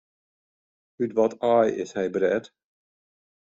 Ut wat aai is hy bret?